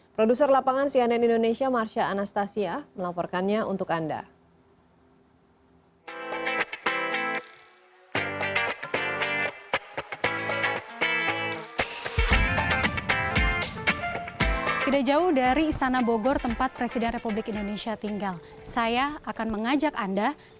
produser lapangan cnn indonesia marsha anastasia melaporkannya untuk anda